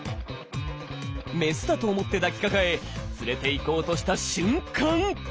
メスだと思って抱きかかえ連れていこうとした瞬間！